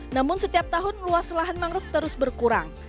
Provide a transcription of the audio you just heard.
namun setiap tahun luas lahan mangrove terus berkurang